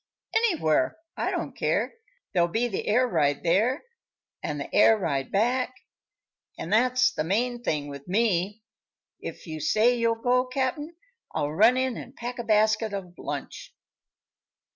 "Anywhere; I don't care. There'll be the air ride there, an' the air ride back, an' that's the main thing with me. If you say you'll go, Cap'n, I'll run in an' pack a basket of lunch."